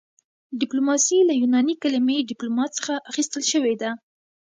ډیپلوماسي له یوناني کلمې ډیپلوما څخه اخیستل شوې ده